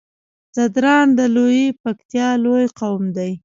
ځدراڼ د لويې پکتيا لوی قوم دی